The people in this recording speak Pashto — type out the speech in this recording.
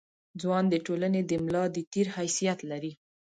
ځوان د ټولنې د ملا د تیر حیثیت لري.